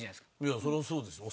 いやそれはそうですよ。